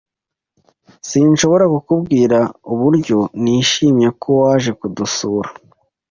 Sinshobora kukubwira uburyo nishimiye ko waje kudusura.